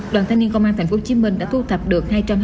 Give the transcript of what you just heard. đoàn thanh niên công an tp hcm đã thu thập được